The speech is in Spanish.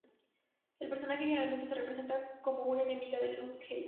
El personaje generalmente se representa como una enemiga de Luke Cage.